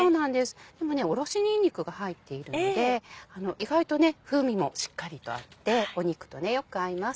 でもおろしにんにくが入っているので意外と風味もしっかりとあって肉とよく合います。